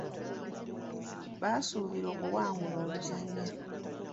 Baasuubira okuwangula oluzannya.